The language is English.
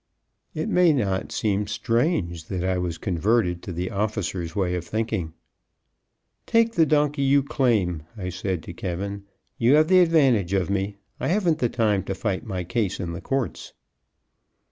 It may not seem strange that I was converted to the officer's way of thinking. "Take the donkey you claim," I said to K , "you have the advantage of me. I haven't time to fight my case in the courts."